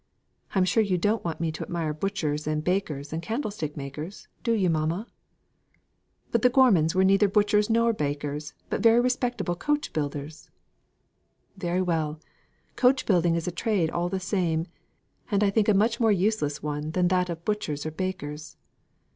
I'm sure you don't want me to admire butchers and bakers, and candlestick makers, do you, mamma?" "But the Gormons were neither butchers nor bakers, but very respectable coach builders." "Very well. Coach building is a trade all the same, and I think a much more useless one than that of butchers or bakers.